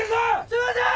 すいません！